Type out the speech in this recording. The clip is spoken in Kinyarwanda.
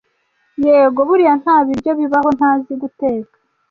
Yego. Buriya nta biryo bibaho ntazi guteka